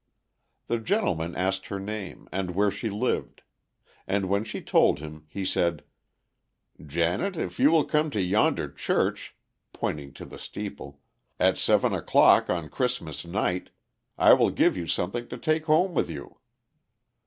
The gentleman asked her name, and where she lived; and when she told him, he said, "Janet, if you will come to yonder church," pointing to the steeple, "at seven o'clock on Christmas night, I will give you something to take home with you."